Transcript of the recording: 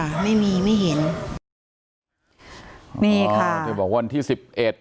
ค่ะไม่มีไม่เห็นมีค่ะโอ้โหโดยบอกวันที่สิบเอ็ด